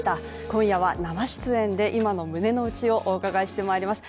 今夜は生出演で今の胸の内をお伺いしてまいります。